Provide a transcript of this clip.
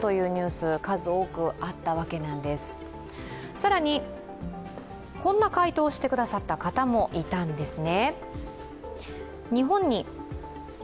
更に、こんな回答をしてくだった方もいたんですね。